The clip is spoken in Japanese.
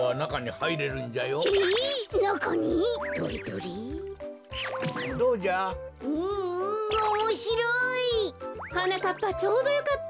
はなかっぱちょうどよかった。